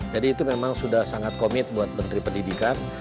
jadi itu memang sudah sangat komit buat menteri pendidikan